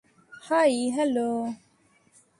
High, hello.